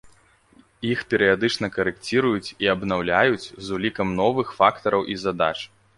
Іх перыядычна карэкціруюць і абнаўляюць з улікам новых фактараў і задач.